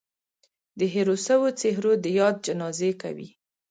د هېرو سوو څهرو د ياد جنازې کوي